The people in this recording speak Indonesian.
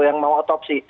yang mau otopsi